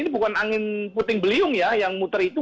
ini bukan angin puting beliung ya yang muter itu